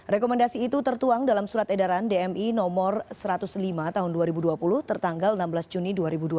rekomendasi itu tertuang dalam surat edaran dmi nomor satu ratus lima tahun dua ribu dua puluh tertanggal enam belas juni dua ribu dua puluh